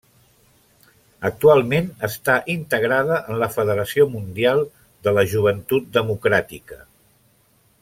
Actualment està integrada en la Federació Mundial de la Joventut Democràtica.